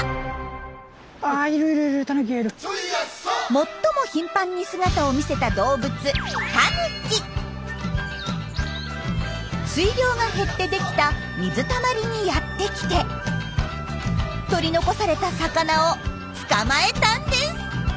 最も頻繁に姿を見せた動物水量が減って出来た水たまりにやって来て取り残された魚を捕まえたんです！